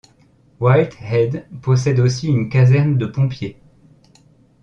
White Head possède aussi une caserne de pompiers.